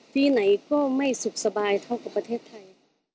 ปีไหนก็ไม่สุขสบายเท่ากับประเทศไทย